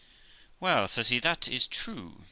'Well', says he, 'that is true.'